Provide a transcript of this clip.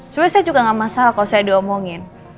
sebenarnya saya juga gak masalah kalau saya diomongin